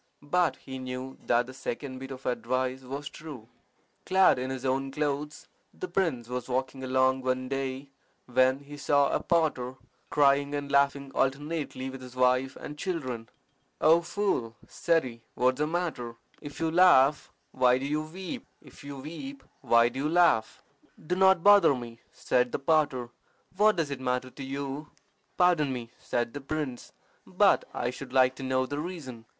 But he knew that the second bit of advice was true. Clad in his own clothes, the prince was walking along one day when he saw a potter crying and laughing alternately with his wife and children. "O fool," said he, "what is the matter? If you laugh, why do you weep? If you weep, why do you laugh?" "Do not bother me," said the potter. "What does it matter to you?" "Pardon me," said the prince, "but I should like to know the reason."